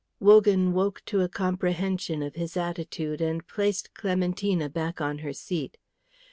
Wogan woke to a comprehension of his attitude, and placed Clementina back on her seat.